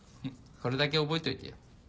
これだけ覚えといてよ。